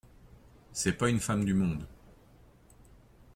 C’est pas une femme du monde !